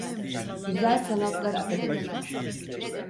Güzel Sanatlar Akademisi.